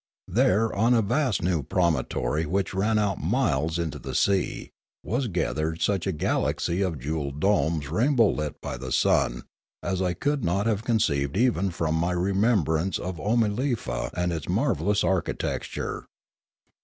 There on a vast new promontory which ran out miles into the sea was gathered such a galaxy of jewelled domes rainbow lit by the sun as I could not have conceived even from my remembrance of Oomalefa and its marvellous architecture.